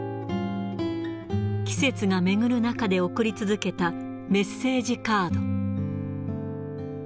季節が巡る中で贈り続けたメッセージカード。